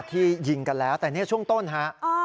ที่ยิงกันแล้วแต่นี่ช่วงต้นฮะ